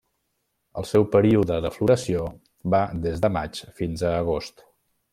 El seu període de floració va des de maig fins a agost.